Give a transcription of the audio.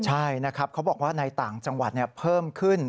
ใช่นะครับเขาบอกว่าในต่างจังหวัดเพิ่มขึ้น